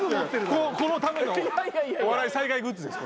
このためのお笑い災害グッズです。